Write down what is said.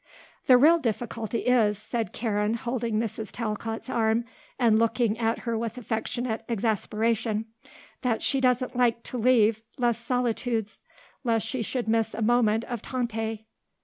"The real difficulty is," said Karen, holding Mrs. Talcott's arm and looking at her with affectionate exasperation, "that she doesn't like to leave Les Solitudes lest she should miss a moment of Tante.